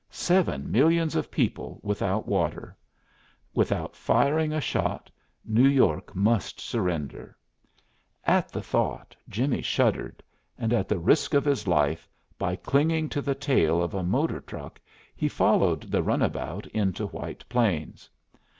Seven millions of people without water! Without firing a shot, New York must surrender! At the thought Jimmie shuddered, and at the risk of his life, by clinging to the tail of a motor truck, he followed the runabout into White Plains.